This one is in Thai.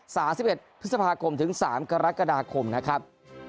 สหรัฐ๑๑พฤษภาคมถึง๓กรกฎาคมนะครับ